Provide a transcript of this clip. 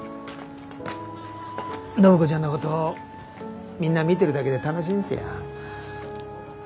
暢子ちゃんのことみんな見てるだけで楽しいんですよ。